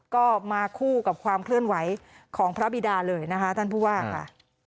ก็มาคู่กับความเคลื่อนไหวของพระบิดาเลยนะคะท่านผู้ว่าค่ะ